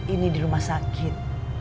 ini di rumah sakit